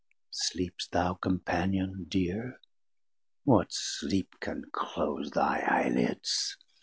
Sleepst thou Companion dear, what sleep can close 670 Thy eye lids?